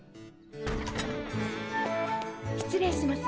・失礼します。